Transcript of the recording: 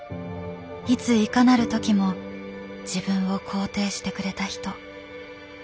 いついかなるときも自分を肯定してくれた人。